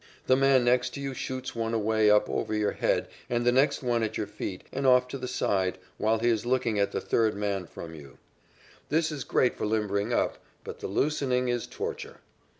The man next to you shoots one away up over your head and the next one at your feet and off to the side while he is looking at the third man from you. This is great for limbering up, but the loosening is torture.